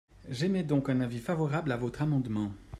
J’émets donc un avis favorable à votre amendement.